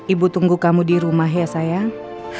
ibu tunggu kamu di rumah ya sayang